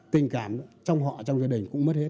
tình cảm trong họ trong gia đình cũng mất hết